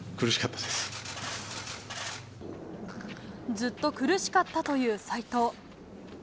ずっと苦しかったという斎藤。